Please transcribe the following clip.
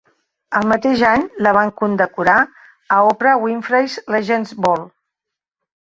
El mateix any la van condecorar a Oprah Winfrey's Legends Ball.